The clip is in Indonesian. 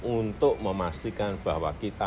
untuk memastikan bahwa kita